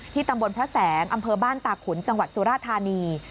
ตำบลพระแสงอำเภอบ้านตาขุนจังหวัดสุราธานี